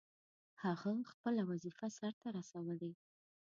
هغه خپله وظیفه سرته رسولې.